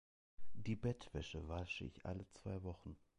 Die Bettwäsche wasche ich alle zwei Wochen.